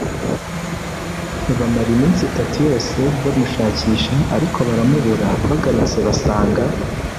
bamara iminsi itatu yose bamushakisha ariko baramubura bagarutse basanga